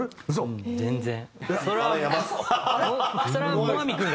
全然。